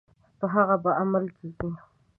په هغه به عمل کیږي.